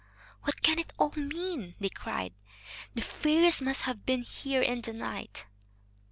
"What can it all mean?" they cried. "The fairies must have been here in the night."